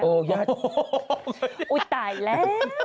โอ้ยตายแล้ว